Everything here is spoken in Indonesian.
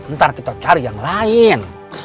ntar kita cari yang lain